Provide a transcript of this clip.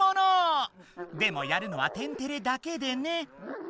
でもやるのは「天てれ」だけでね。